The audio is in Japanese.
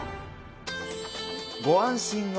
ご安心を。